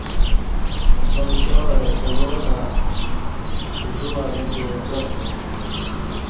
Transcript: امکیاں اہ سوا تہ ذو اوہ تی پتاسوم